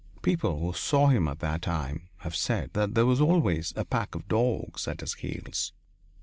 People who saw him at that time have said that there was always a pack of dogs at his heels.